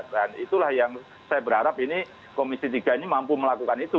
dan itulah yang saya berharap ini komisi tiga ini mampu melakukan itu